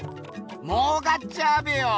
もうかっちゃうべよ。